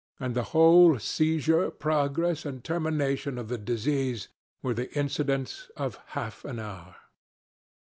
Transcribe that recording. And the whole seizure, progress and termination of the disease, were the incidents of half an hour.